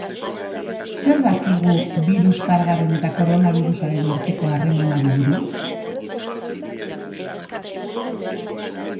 Zer dakigu birus-kargaren eta koronabirusaren arteko harremanari buruz?